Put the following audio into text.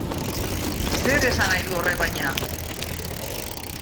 Zer esan nahi du horrek baina?